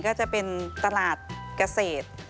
ก็จะเป็นตลาดเกษตร